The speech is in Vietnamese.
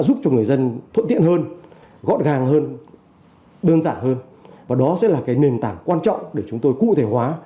đơn giản hơn và đó sẽ là nền tảng quan trọng để chúng tôi cụ thể hóa